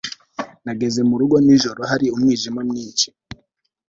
Nageze mu rugo nijoro hari umwijima mwinshi